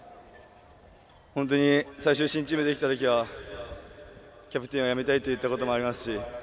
本当に新チームができたときはキャプテンを辞めたいと言ったこともありますし。